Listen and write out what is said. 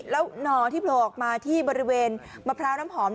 แล้วหน่อที่โผล่ออกมาที่บริเวณมะพร้าวน้ำหอม